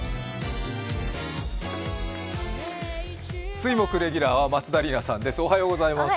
水木レギュラーは松田里奈さんです。